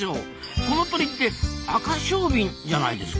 この鳥ってアカショウビンじゃないですか？